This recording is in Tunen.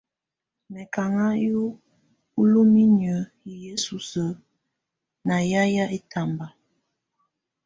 Mɛkaŋa yɛ̀ ululininǝ á yǝsu ná yayɛ̀á ɛtamba.